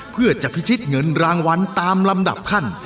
เพื่อจะพิชิตเงินรางวัลตามลำดับขั้น